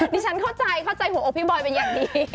ฉันเข้าใจเข้าใจหัวอกพี่บอยเป็นอย่างดี